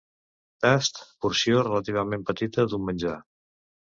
Tast, porció relativament petita d'un menjar.